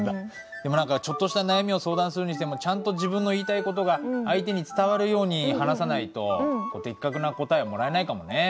でも何かちょっとした悩みを相談するにしてもちゃんと自分の言いたい事が相手に伝わるように話さないと的確な答えはもらえないかもねぇ。